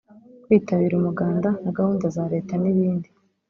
kwitabira umuganda na gahunda za Leta z’ibindi